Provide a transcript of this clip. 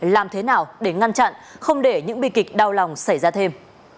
làm thế nào để ngăn chặn không để những bi kịch đau lòng xảy ra thêm